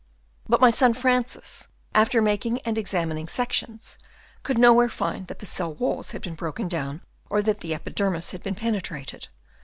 But my son Francis, after making and examining sections, could nowhere find that the cell walls had been broken down or that the epidermis had been penetrated.